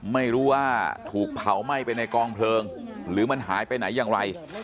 ไม่รู้ว่าถูกเผาไหม้ไปในกองเพลิงหรือมันหายไปไหนอย่างไร